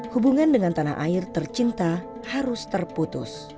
hubungan dengan tanah air tercinta harus terputus